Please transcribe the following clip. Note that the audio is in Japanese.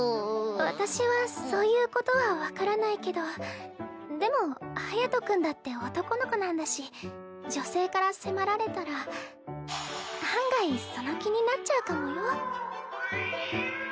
私はそういうことは分からないけどでも隼君だって男の子なんだし女性から迫られたら案外その気になっちゃうかもよ。